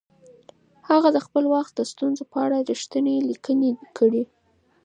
هغه د خپل وخت د ستونزو په اړه رښتیني لیکنې کړي.